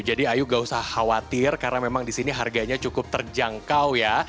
jadi ayu nggak usah khawatir karena memang di sini harganya cukup terjangkau ya